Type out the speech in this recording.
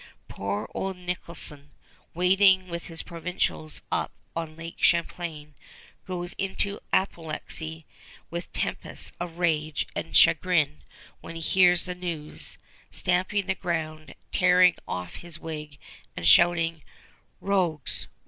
Poor old Nicholson, waiting with his provincials up on Lake Champlain, goes into apoplexy with tempests of rage and chagrin, when he hears the news, stamping the ground, tearing off his wig, and shouting, "Rogues!